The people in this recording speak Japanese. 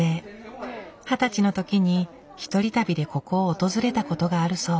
二十歳のときに一人旅でここを訪れたことがあるそう。